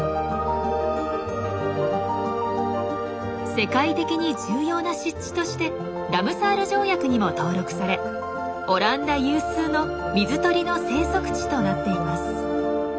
世界的に重要な湿地としてラムサール条約にも登録されオランダ有数の水鳥の生息地となっています。